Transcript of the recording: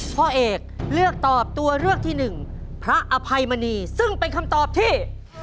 พ่อเอกเลือกตอบตัวเลือกที่หนึ่งพระอภัยมณีซึ่งเป็นคำตอบที่